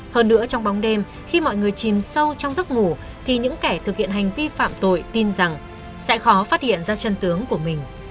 hơn nữa trong bóng đêm khi mọi người chìm sâu trong giấc ngủ thì những kẻ thực hiện hành vi phạm tội tin rằng sẽ khó phát hiện ra chân tướng của mình